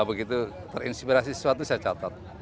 begitu terinspirasi sesuatu saya catat